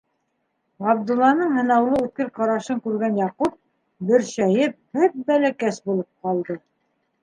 Ғабдулланың һынаулы үткер ҡарашын күргән Яҡуп, бөршәйеп, бәп-бәләкәс булып ҡалды.